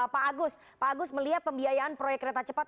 pak agus melihat pembiayaan proyek reta cepat